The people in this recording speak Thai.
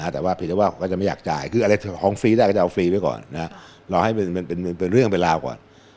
แต่ว่าเพียงแต่ว่าก็จะไม่อยากจ่ายคืออะไรของฟรีได้ก็จะเอาฟรีไว้ก่อนรอให้มันเป็นเรื่องเป็นราวก่อน